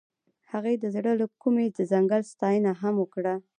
هغې د زړه له کومې د ځنګل ستاینه هم وکړه.